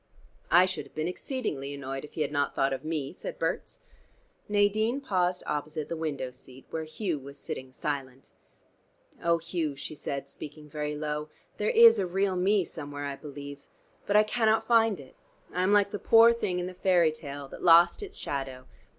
"I should have been exceedingly annoyed if He had not thought of me," said Berts. Nadine paused opposite the window seat, where Hugh was sitting silent. "Oh, Hugh," she said, speaking very low, "there is a real me somewhere, I believe. But I cannot find it. I am like the poor thing in the fairy tale, that lost its shadow.